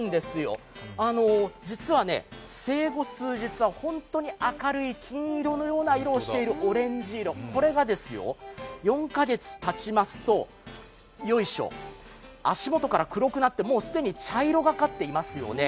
これなんですよ、実は生後数日は本当に明るい金色のような色をしているオレンジ色、これが４カ月たちますと足元から黒くなって、既に茶色がかってますよね。